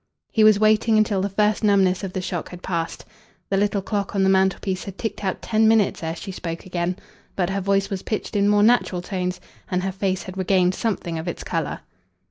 He was waiting until the first numbness of the shock had passed. The little clock on the mantelpiece had ticked out ten minutes ere she spoke again. But her voice was pitched in more natural tones, and her face had regained something of its colour.